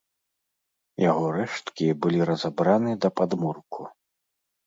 Яго рэшткі былі разабраны да падмурку.